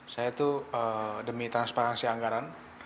saya itu demi transparansi anggaran